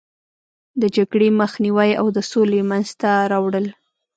د جګړې مخنیوی او د سولې منځته راوړل.